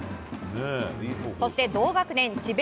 そして同学年、智弁